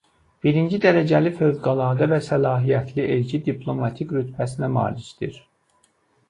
Birinci dərəcəli fövqəladə və səlahiyyətli elçi diplomatik rütbəsinə malikdir.